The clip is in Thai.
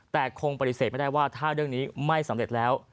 แต่คงปฏิเสธไม่ได้ว่าถ้าเรื่องนี้ไม่สำเร็จแล้ว